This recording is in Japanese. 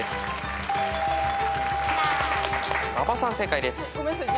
馬場さん正解です。